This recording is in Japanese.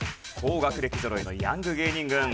高学歴ぞろいのヤング芸人軍